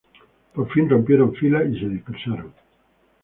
Por fin rompieron filas y se dispersaron.